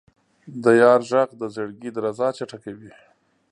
د یار ږغ د زړګي درزا چټکوي.